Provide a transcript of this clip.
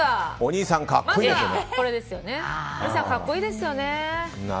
兄さんかっこいいですよね。